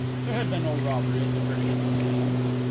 There had been no robbery at the British Museum!